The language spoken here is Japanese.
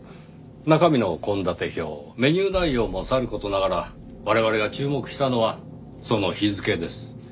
中身の献立表メニュー内容もさる事ながら我々が注目したのはその日付です。